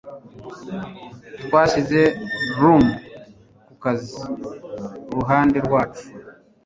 Twashyize Rum ku kazi kuruhande rwacu